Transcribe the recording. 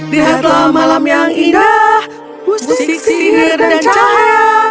lihatlah malam yang indah musik sihir dan cahaya